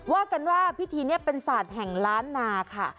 ว่ากันว่าพิธีนี้เป็นศาสตร์แห่งล้านนาค่ะ